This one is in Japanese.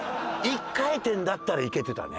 １回転だったらいけてたね。